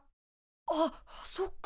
あっそっか。